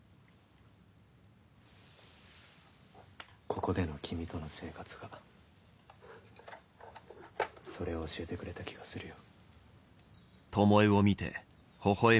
ここでの君との生活がそれを教えてくれた気がするよ。